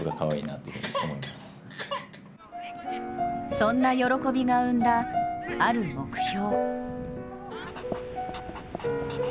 そんな喜びが生んだ、ある目標。